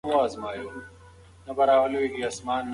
انسان هڅه کوي خو پایله د الله ده.